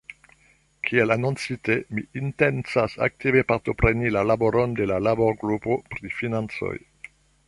Kiel anoncite, mi intencas aktive partopreni la laboron de la laborgrupo pri financoj.